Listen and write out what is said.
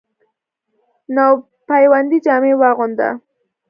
نو پیوندي جامې واغوندۀ،